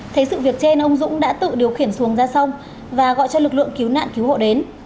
thấy sự việc trên ông dũng đã tự điều khiển xuồng ra sông và gọi cho lực lượng cứu nạn cứu hộ đến